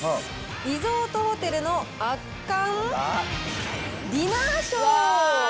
リゾートホテルの圧巻ディナーショー。